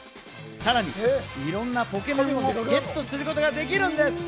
さらに、いろんなポケモンをゲットすることができるんです。